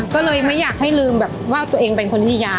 ก็เลยไม่อยากให้ลืมแบบว่าตัวเองเป็นคนวิทยา